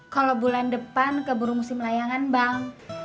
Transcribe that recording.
kalau bulan depan nggak perlu musim layangan bang